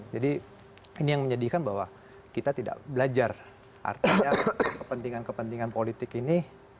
ini yang menyedihkan bahwa kita tidak belajar artinya kepentingan kepentingan politik ini